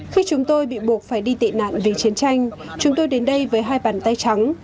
khi chúng tôi bị buộc phải đi tị nạn vì chiến tranh chúng tôi đến đây với hai bàn tay trắng